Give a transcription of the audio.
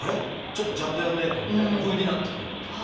ちょっとちゃんとやんねえとみたいなふうになってくるっていう。